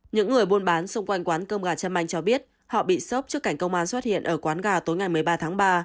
những người buôn bán xung quanh quán cơm gà trâm anh cho biết họ bị sốp trước cảnh công an xuất hiện ở quán gà tối ngày một mươi ba tháng ba